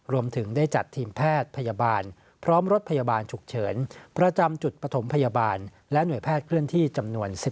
รวมถึงได้จัดทีมแพทย์พยาบาลพร้อมรถพยาบาลฉุกเฉินประจำจุดปฐมพยาบาลและหน่วยแพทย์เคลื่อนที่จำนวน